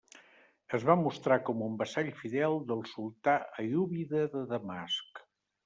Es va mostrar com un vassall fidel del sultà aiúbida de Damasc.